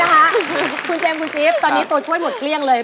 มาเจ๊มคุณชีฟตอนนี้ช่วยหมดเกรี้ยงเลย